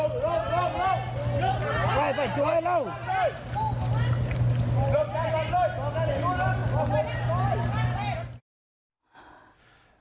กลับบื้อไม่มีที่เอาเลย